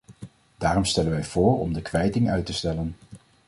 Daarom stellen wij voor om de kwijting uit te stellen.